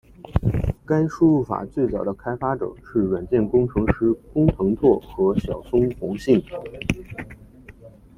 该输入法最早的开发者是软件工程师工藤拓和小松弘幸。